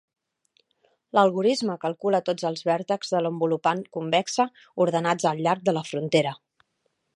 L'algorisme calcula tots els vèrtexs de l'envolupant convexa ordenats al llarg de la frontera.